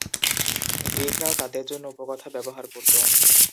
গ্রীকরাও তাদের জন্য উপকথা ব্যবহার করত।